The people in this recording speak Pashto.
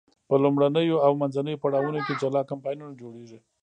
په لومړنیو او منځنیو پړاوونو کې جلا کمپاینونه جوړیږي.